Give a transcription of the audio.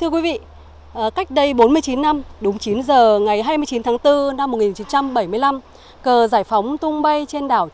thưa quý vị cách đây bốn mươi chín năm đúng chín giờ ngày hai mươi chín tháng bốn năm một nghìn chín trăm bảy mươi năm